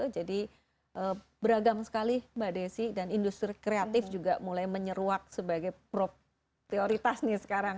jadi beragam sekali mbak desi dan industri kreatif juga mulai menyeruak sebagai prioritas nih sekarang